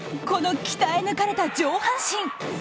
この鍛え抜かれた上半身。